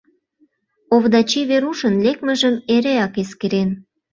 Овдачи Верушын лекмыжым эреак эскерен.